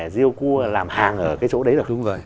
riêu cua làm hàng ở cái chỗ đấy được